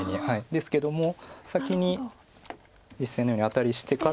ですけども先に実戦のようにアタリしてから。